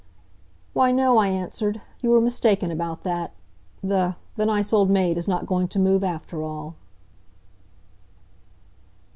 "Why, no," I answered. "You were mistaken about that. The the nice old maid is not going to move, after all."